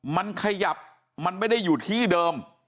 มันขยับมันไม่ได้อยู่ที่เดิม